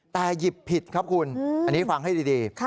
แต่หยิบผิดครับคุณอันนี้ฟังให้ดี